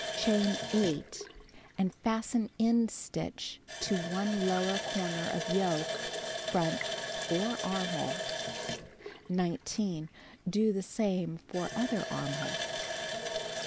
Chain 8 and fasten end stitch to one lower corner of yoke, front, for armhole. 19. Do the same for other armhole.